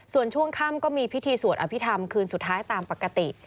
ส่วนช่วงค่ำก็มีพิธีสวดอภิษฐรรมคืนสุดท้ายตามปกติ